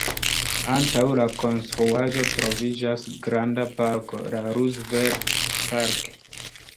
Antaŭ la konstruaĵo troviĝas granda parko, la „Roosevelt Park”.